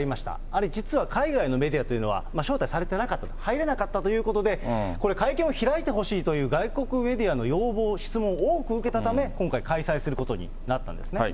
あれ実は海外のメディアというのは、招待されてなかった、入れなかったということで、会見を開いてほしいという外国メディアの要望、質問を多く受けたため、今回、開催することになったんですね。